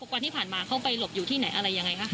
วันที่ผ่านมาเขาไปหลบอยู่ที่ไหนอะไรยังไงคะ